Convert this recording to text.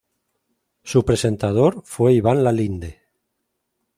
Su presentador fue Iván Lalinde.